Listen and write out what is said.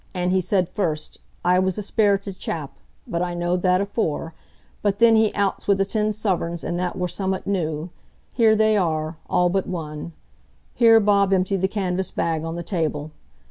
An' he said first, I was a sperrited chap,—but I knowed that afore,—but then he outs wi' the ten suvreigns, an' that war summat new. Here they are, all but one!" Here Bob emptied the canvas bag on the table.